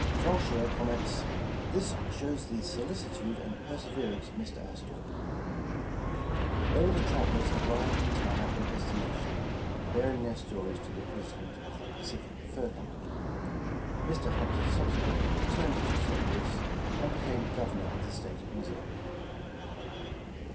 Franehere comments: "This shows the solicitude and perseverence of Mr. Astor." All the travelers arrived in time at their destination, bearing their stories to the President of the Pacific Fur Company. Mr. Hunt subsequently returned to St. Louis, and be came Governor of the State of Missouri.